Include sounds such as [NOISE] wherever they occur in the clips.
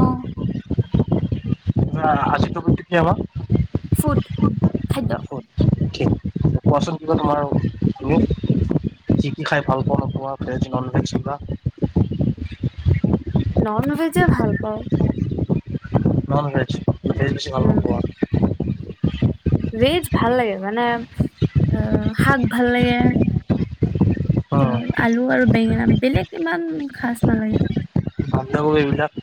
অ' ধৰা আজি তুমি কি কি খাবা ফুড খাদ্য কত ঠিক কোৱাচোন কি খাবা তুমি কি কি খাই ভাল পোৱা নোপোৱা ভেজ নন ভেজ এইবিলাক নন ভেজে ভাল পাওঁ ননভেজ ভেজ বেছি ভাল উম নোপোৱা ভেজ ভাল লাগে মানে অ শাক ভাল লাগে ত অ', আলু আৰু বেঙেনা বেলেগ ইমান খাছ নালাগে আৰু এইবিলাক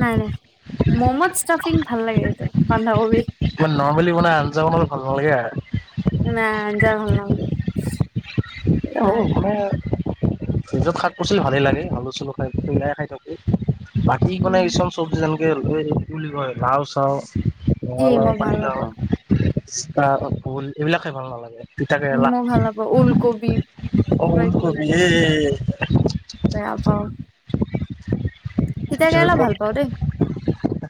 নাই নাই মমচ ষ্টাফিং ভাল লাগে এইটো বান্ধাকবি এতিয়া নৰ্মেলি বনাই আঞ্জা বনালে ভাল নালাগে আৰ নাই আঞ্জা ভাল নালাগে। এইটো এই মোৰো নাই ভালেই ফ্ৰিজত শাক পাচলি ভালেই লাগে আলু চালো খাই সেয়াই খাই থাকো। বাকী কলে উম কিছুমান চব্জি যেনেকে সেই কি বুলি কয় লাউ চাউ ৰঙা এই লাও মই ভাল পানীলাও নাপাওঁ জিকা ভুল এইবিলাক খাই ভাল নালাগে। তিতা উম কেৰেলা মই ভাল নাপাওঁ ওলকবি অ কিবা কিবি ওলকবি এনেকুৱা এই বেয়া পাওঁ তিতা কেৰেলা ভাল পাওঁ দেই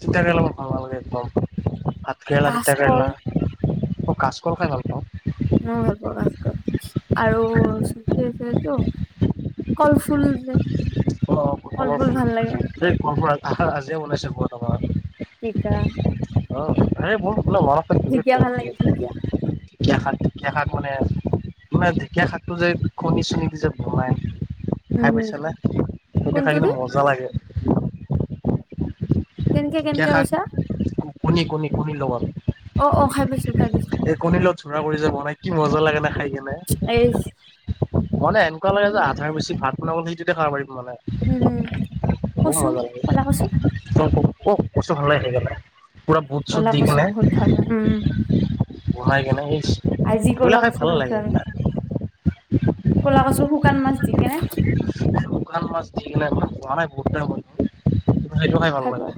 তিতা কেৰেলা মোৰ ভাল নালাগে একদম ভাত কেৰেলা তিতা কাচকল কেৰেলা। মই কাছকল খাই ভাল পাওঁ। মইয়ো ভাল পাওঁ কাচ কল আৰু কি আছিলে এইটো কলফুল যে অ', কলৰ কলফুল ফুল ভাল লাগে সেই কলফুল আজিয়ে বনাইছো মই অলপমান আগতে। জিকা [UNINTELLIGIBLE] ঢেকীয়া কল ভাল লাগে ঢেকীয়া। ঢেকীয়া সাক ঢেকীয়া সাক মানে মানে ঢেঁকীয়া শাকটো যে কণী চণী দি যে বনাই, উম খাই হুম। পাইছানে খাই কোনটো কিন্তু দি মজা লাগে। কেনেকে ঢেঁকীয়া কেনেকে শাক কৈছা কণী কণী কণীৰ লগত অ-অ খাই পাইছো খাই পাইছো। এ কণীৰ লগত জোৰা কৰি বনাই কি মজা লাগে না খাই কিনে। এইচ মানে এনেকুৱা লাগে যে আধাৰ বেছি ভাত বনাবলৈ সেইটোতে খাব পাৰিম মানে। হুম। বহুত কচু মজা লাগে ক'লা কচু। [UNINTELLIGIBLE] পুৰা বুত চুত ক'লা দি কচু কেনে বহুত ভাল হয় উম বনাই কেনে ইচ আজি এইবিলাক ক'লা খায় কচু ভাল খাইছো নালাগে আমি। জানা। ক'লা কছু শুকান মাছ দি কেনে। শুকান মাছ দি কেনে খোৱা নাই বহুত দিন হৈ গ'ল সেইটো খাই ভাল লাগে।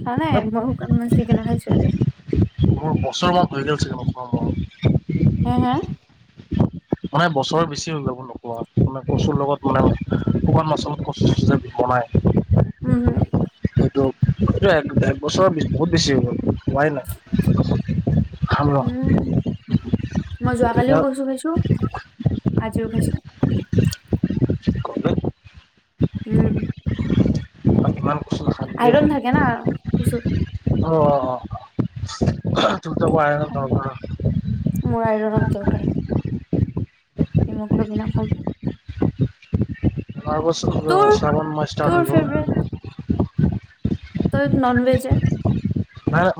খোৱা নাই মই শুকান মাছ দি কেনে খাইছো আজি। মোৰ বছৰ মান হৈছে চাগে নোখোৱা মোৰ হা হা মানে বছৰ বেছি [UNINTELLIGIBLE] গুৱাহাটীত মানে কচুৰ লগত মানে শুকান মাছৰ লগত কচু দি বনায়। উম', হুম, সেইটো এই এক বছৰ বহুত বেছি হৈ গ'ল হোৱাই নাই। খাম ৰ উম', মই তেতিয়া যোৱাকালিও কচু খাইছো। আজিও খাইছো। উম', কিমান আইৰন থাকে না কচুত। অ', অ, অ, [UNINTELLIGIBLE] মোৰ আইৰনৰ দৰকাৰ। [INAUDIBLE] হিমোগ্লবিনো কম। আগষ্ট তোৰ চাবন মাচ ষ্টাৰট তোৰ হৈ গ'ল। ফেভৰেট [INAUDIBLE] তই ননভেজে হে, নাই।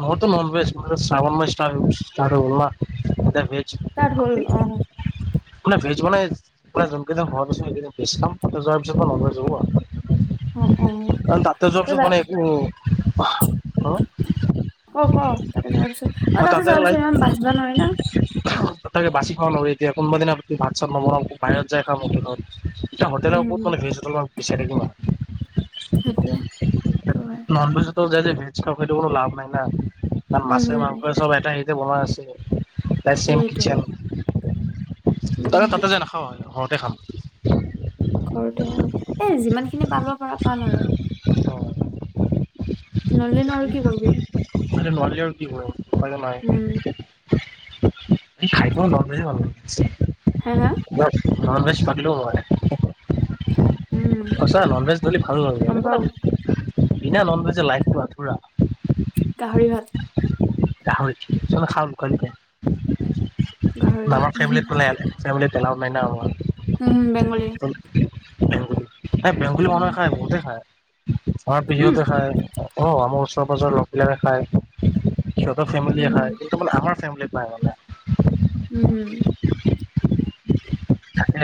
মোৰতো ননভেজ মানে শাৱণ মাৰ্চ ষ্টাট ষ্টাট হৈ গ'ল না তোটেল ভেজ। ষ্টাট হ'ল অ, মোনে ভেজ মনেজ। গোটেই জোলখিনি হোৱাৰ পিছত ভেজ খাম। তাৰ পিছত ননভেজ হ'ব অ অ আও কাৰণ ত তাঁতে যা যোৱৰ পিছত মানে একো অ' ক ক তাতে যোৱাত অ, মই তাতে যোৱাৰ লাইক পিছত ইমান বাচব নোৱাৰে ন। তাকে বাছি খাব নোৱাৰি দে, কোনোব দিনা ভাত চাত নবনাওঁ। বাহিৰত যাই খাম ঔকে। এটা হোটেলৰ উম হম কোনখন ভেজ হোটেলখন বিচাৰি থাকিম আৰু সেইটোৱে ত'ৱা নন ভেজোটো যায় যে, ভেজ খাবলৈ লাভ নাই না ন, কাৰণ উম মাছে হম মাংসই চব এটায় তাতে বনোৱা আছিলে দা চেইম এইটোয়ে কিচেন, উম চয়ন তাতে যে নাখাওঁ আৰু ঘৰতে খাম। ঘৰতে ওম এ যিমান খিনি পালব পৰা পাল আৰু অ', এতিয়া নলেনো আৰু কি কৰিবি নোৱাৰিলেও কি উম হ'ব উপায়টো নাই। [UNINTELLIGIBLE] হা হা নন ভেজ পাগলো হয়। উম সঁচা নন ভেজ নহলি ভাল নালাগে। গম পাও বিনা নন ভেজে লাইফটো আধুৰা। গাহৰি ভাত। গাহৰি খাও লুকাই লুকাই গাহৰি ভাত আমাৰ ফেমিলিত বুলে এলাও নাই না আমাৰ উম', হম, বেংগলী। বেংগুলী মানুহে উম খায় বহুতে খায়। আমাৰ উম পেহীহতে খাই। অ, আমাৰ ওচৰৰ পাজৰৰ লকবিলাকে খায়। সিহঁতৰ ফেমলীয়ে খাই। উম কিন্তু মানে আমাৰ ফেমিলিত নাই মানে। উম', হুম, তাকে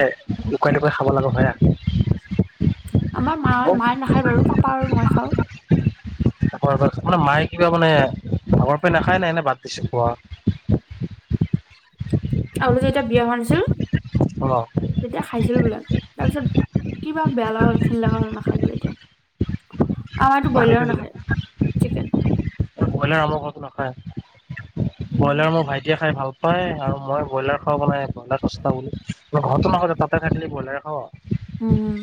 লুকাই লুকাই খাব লগা হয়, আৰু আমাৰ মা মায়ে নাখায় বাৰু পাপা আৰু মই খাওঁ। মানে মায়ে কিবা মানে আগৰ পৰা নাখায় নে? নে বাদ দিছে খোৱা। আগতে যেতিয়া বিয়া হোৱা নাছিল অ তেতিয়া খাইছিল বোলে। তাৰপিছত কিবা বেয়া লগা হল, ঘিণ লগা হ'ল নাখাই বোলে এতিয়া। আমাৰতো সেইটো ব্ৰইলাৰো বেলেগ নাখাই চিকেন। ব্ৰইলাৰ আমৰ ঘৰতো নাখায়, ব্ৰইলাৰ মোৰ ভাইটিয়ে খাই ভাল পায়। আৰু মই ব্ৰইলাৰ খাওঁ মানে [UNINTELLIGIBLE] ঘৰততো নাখাও তাতে থাকিলে ব্ৰইলাৰে খাও আও। উম,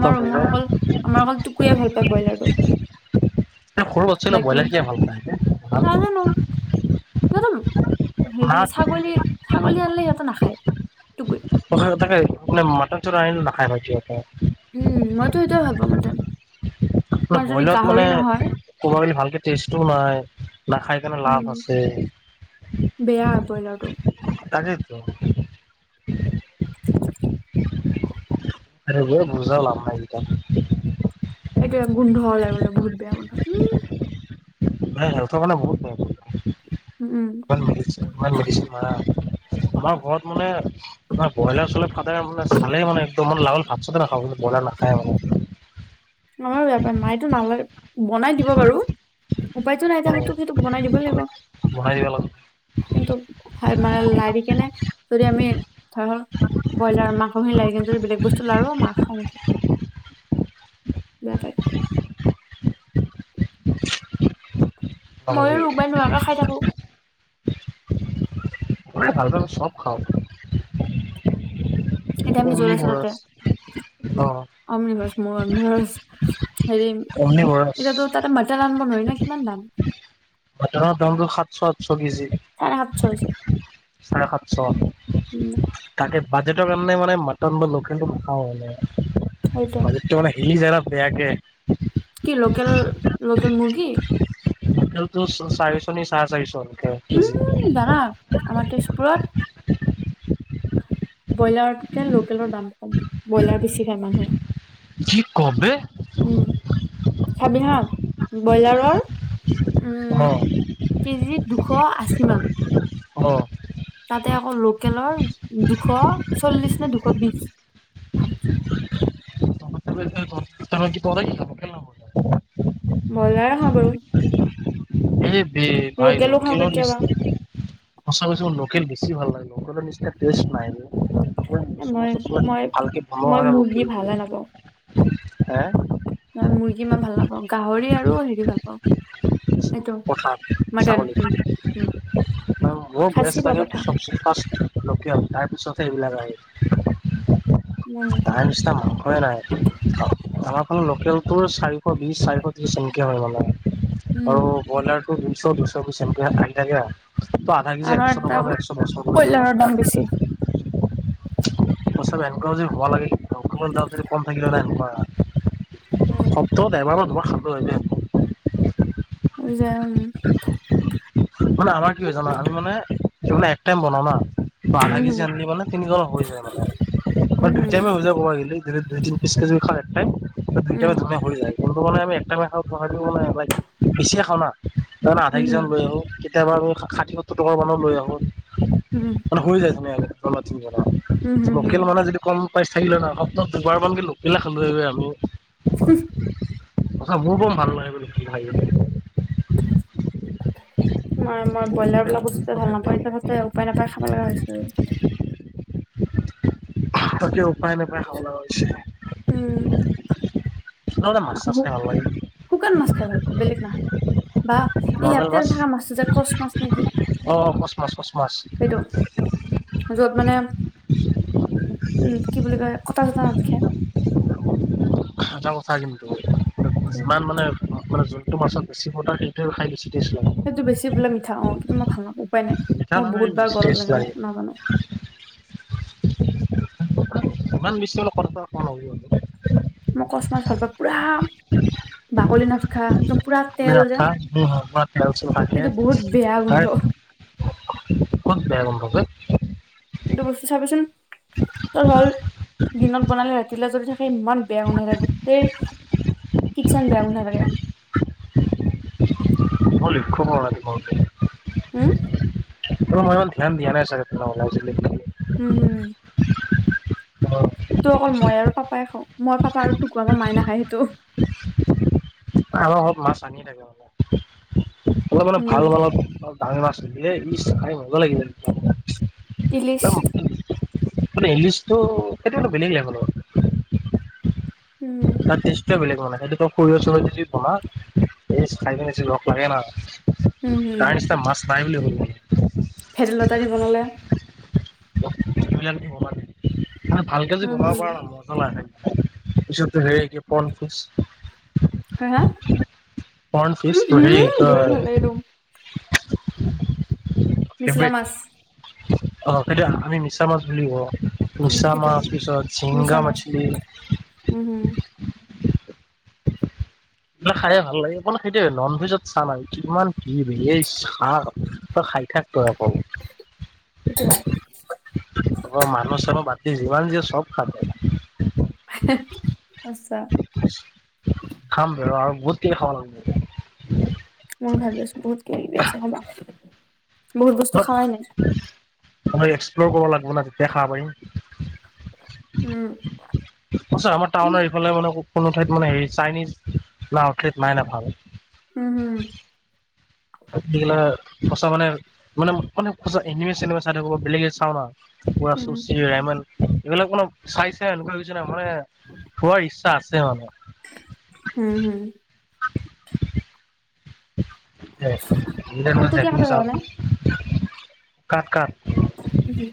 আমাৰ যায় ৰুমৰ অকল আমাৰ অকল টুকুৱে ভাল পায় ব্ৰইলাৰটো। সৰু বাচ্ছা বাকী বিলাকে ব্ৰইলাৰ খিনিয়ে ভাল পায়। নাজানো [UNINTELLIGIBLE] হেৰি ছাগলী ছাগলী আনিলে সিহঁতে নাখায় টুকুই। তাকে মানে মাটন চটন আনিলে নাখায় ভাইটিয়ে। উম মইতো সেইটোৱে ভাল পাঁও মটন। মই যদি বইলাৰত মানে গাহৰি নহয় ক'ব গলে ভালকে টেষ্টটোও নাই। নাখায় কেনে উম লাভ আছে। বেয়া ব্ৰইলাৰটো। তাকেইটো। আৰু বুজাও লাভ নাই এতিয়া। সেইটোৱে গোন্ধ ওলাই বোলে বহুত বেয়া গোন্ধটো। হেল্থৰ কাৰনে বহুত বেয়াটো। উম। [UNINTELLIGIBLE] [UNINTELLIGIBLE] আমাৰ ঘৰত মানে ব্ৰইলাৰ চইলাৰ ফাদাৰে মানে চালে মানে একদম লাল ভাত-চাতে নাখাব, কিন্তু ব্ৰইলাৰ নাখায় মানে। আমাৰো বেয়া পায়, মায়েতো [UNINTELLIGIBLE] বনাই দিব বাৰু উপায়তো নাই অ দে সতোক সেইটোক বনাই দিবই লাগিব। বনাই দিবা লাগে কিন্তু মানে লাৰি কেনে যদি আমি ব্ৰইলাৰ মাংসখিনি লাৰি কিনে যদি বেলেগ বস্তু লাৰো মাৰ খং উঠে। বেয়া। পায় [INAUDIBLE] মইও ৰুবাই নোহোৱাকে খাই থাকো। মই ভাল পালে চব খাওঁ। এতিয়া আমি [UNINTELLIGIBLE] অমনিভৰাছ ম অমনিভৰাছ হেৰি অমনি বৰা এতিয়াটো তাতে মাটন আনব নোৱাৰি না কিমান দাম? মাটানৰ দামটো সাতশ, আঠশ কেজি। চাৰে সাত শ হৈছে। চাৰে উম সাতশ। তাকে বাজেটৰ কাৰণে মানে মাটন বা লোকেলটো নাখাওঁ মানে। সেইটোৱে বাজেট টো মানে হিলি জাই ন বেয়াকে। কি লোকেল-লোকেল মুৰ্গী। লোকেলটো চাৰিশ ন চাৰে চাৰিশ কে-কেজি। উম জানা আমাৰ তেজপুৰত? ব্ৰইলাৰতকে লোকেলৰ দাম কম, ব্ৰইলাৰ বেছি খায় মানুহে। কি ক বে? উম' চাবি হা ব্ৰইলাৰৰ অ'। কেজিত দুশ আশীমান। অ'। তাতে আকৌ লোকেলৰ, দুশ চল্লিশ নে দুশ বিশ। [UNINTELLIGIBLE] তাৰে কি পৰে, খাব কে নহ'ব। ব্ৰইলাৰে খাওঁ বাৰু। এই বে ভাই, লোকেলো খাওঁ লোকেলৰ কেতিয়াবা নিচিনা। সঁচা কৈছোঁ মোৰ লোকেল বেছি ভাল লাগে মোৰ, লোকেলৰ নিচিনা টেষ্ট এ মই মই মই মুৰ্গী ভালে নাপাওঁ নাই। [UNINTELLIGIBLE] মই মুৰ্গী ইমান ভাল নাপাওঁ, গাহৰি আৰু হেৰি ভাল পাওঁ। এইটো পথা, মটন ছাগলী উম উম মোৰ খাচী বেষ্ট বা লাগে পঠা চবচে ফাৰ্ষ্ট লোকেল, তাৰপিছত হে এইবিলাক আহে। উম তাৰ নিচিনা মাংসই নাই। আমাৰ ফালে, লোকেলটোৰ চাৰিশ বিছ, চাৰিশ ত্ৰিশ এনেকে হয় মানে। আৰু উম ব্ৰইলাৰটো [UNINTELLIGIBLE] আধা কেজি, একশ আমাৰ এটা টকা বা একশ দশ কয়লাৰৰ দাম [UNINTELLIGIBLE] [INAUDIBLE] [UNINTELLIGIBLE] সপ্তাহত, এবাৰ বা দুবাৰ খালোঁ উম হয় দেই। [UNINTELLIGIBLE] মানে, আমাৰ কি হয় জানা, আমি মানে এক টাইম বনাও না। বা, আধা কেজি আনিলি মানে তিনিজনক হৈ যায় মানে, বা উম দুই টাইমে হৈ যায় ক'বা গেলি। যদি দুই, তিনি পিছ কে যদি খাই এক টাইম, তেতিয়া দুই টাইম হম ধুনীয়াকৈ হৈ যায়। বন্ধু মানে, আমি এক টাইমে খাওঁ মানে, লাইক বেছিয়ে খাওঁ না আধা উম হম কেজি হম মান লৈ আহোঁ। কেতিয়াবা আমি ষাঠি, সত্তৰ টকাৰ মানৰ লৈ আহো, উম মানে হৈ যাই আমাৰ তিনিজনৰ। উম হম হম লোকেল মানে যদি, কম পাইছ থাকিলে হয় না, সপ্তাহত দুবাৰমান কে লোকেলে খালো হয় বে আমি। [UNINTELLIGIBLE] [UNINTELLIGIBLE] [INAUDIBLE] মই, মই ব্ৰইলাৰ বলা বস্তুে ভাল নাপাওঁ, এতিয়া তাতে উপায়, নাপায় খাব লগা হৈছোঁ। তাকে, উপায় নাই। খাব লগা হৈছে, উম আকৌ মাছ-চাছ খাই ভাল লাগে। শুকান মাছ খাই ভাল পাও, বেলেগ নহয়, বা নৰ্মেল ইয়াতে মাছ থকা মাছটো যে কৰ্চ মাছ নে কি? অ', কৰ্চ মাছ, কৰ্চ মাছ। য'ত মানে, উম, কি বুলি কয়, কটা-চতা নাথাকে। এটা কথা কিন্তু, যিমান মানে অ', মানে যুনটো মাছত বেছি কাতা, সেইটোৱে খাই বেছি টেষ্ট লাগে। এইটো বেছি বোলে মিঠা, অ' কিন্তু মই ভাল নাপাওঁ উপায় নাই, মিঠা মই নহয় বহুত বাৰ বেছি গলত টেষ্ট লাগে মোৰ নাজানোঁ। [UNINTELLIGIBLE] মই কৰ্চ মাছ ভাল পাওঁ, পুৰা বাকলি নাথাকা একদম পুৰা আপুনি তেল যে। [UNINTELLIGIBLE] থাকে কিন্তু, বহুত বেয়া তাই গোন্ধ। ক'ত বেয়া গোন্ধ বে। কিন্তু বস্তু চাবিচোন, তোৰ হ'ল দিনত বনালে ৰাতিলৈ যদি থাক ইমান বেয়া গোন্ধাই থাকে গোটেই কিচেন বেয়া গোন্ধাই থাকে ম লিখ প নাগ মতে উম ত মই ইমান ধ্যান দিয়া নাই চাগ [UNINTELLIGIBLE] উম হুম সেইটো অকল মই আৰু পাপাই খাওঁ মই পাপা আৰু টোকো আমাৰ মায় নাখায় সেইটো আমাৰ অলপ মাছ আনি থাকে মানে অলপ মানে ভাল উম অলপ চামি মছে এই খাই মজা লাগিব ইলিছ ইংলিছোটো সেইটো অলপ বেলেগলে হ'ল উম টেষ্টটোৱে বেলেগ মানে সেই সৰিয়হ‌ চৰিয়হ দি যদি বনা খাই বেছি ৰখ লাগে না উম, হুম, তাই নিছিনা মাছ নাই বুলি ভেদলতা দি বনালে [UNINTELLIGIBLE] মানে ভালকে যি উম, বনাব হুম, পৰাৰ ন মই পিছলালে হে পনফচ হা, হা? পনফিচ উম, তোৰি হুম, বহুত কাৰ ভাল লাগে একদম। নিছলা মাছ এটো‌আমি মিছা মাছ বুলি কওঁ উম, মিছা সেইটো মাছ নাম পিছত মিছা জিংগা মাছ, মাছলি উম হুম এইবিলাক খায়ে ভাল লাগে অকমান সেইটোে নন ভেজত চাহ নাই কিমান কি এই চাহ বা খাই থাক ত অকল সেইটো মই মানু চানু বাত দি যিমান যি চব খাম [UNINTELLIGIBLE] আছা আ খাম ব আৰু গতি খালাগ মোৰ ভাবি আছো বহুত কিবি আছে হবা মই এক্সপ্লৰ কৰিব লাগিব ন তেতিয়া খাব পাৰিম উম সঁচা আমাৰ টাউনৰ এইফালে মানে কোনো ঠাইত মানে হ চাইনিজ নাঠাইত নাই না ভাল হম হুম গিলা সঁচা মানে মানে মান সঁচা ইংলিছ চিনেমা চাই থাকো বেলেগে চাও ন পুৰা [UNINTELLIGIBLE] উম, এইবিলাক কোনো চাইছে এনেকুৱা কি হৈছে নাই মানে হোৱাৰ ইচ্ছা আছে মানে হুম হুম কলটো কিয় জেনি কাটা চ যোৱা নাই? কাট কাট উম